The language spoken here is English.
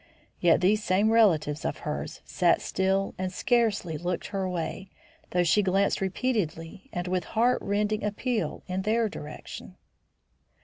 Yet these same relatives of hers sat still and scarcely looked her way, though she glanced repeatedly and with heartrending appeal in their direction.